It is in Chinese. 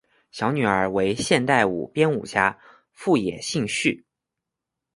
小女儿为现代舞编舞家富野幸绪。